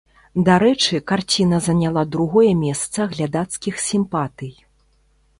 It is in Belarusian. Дарэчы, карціна заняла другое месца глядацкіх сімпатый.